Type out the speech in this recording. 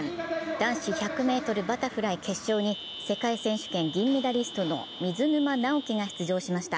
男子１００ｍバタフライ決勝に世界選手権銀メダリストの水沼尚輝が出場しました。